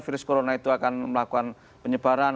virus corona itu akan melakukan penyebaran